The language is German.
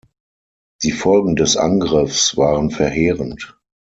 Die Folgen des Angriffs waren verheerend.